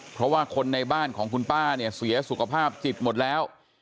เพราะว่าคนในบ้านของคุณป้าเนี่ยเสียสุขภาพจิตหมดแล้ว